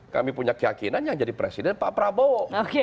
kami punya keyakinan yang jadi presiden pak prabowo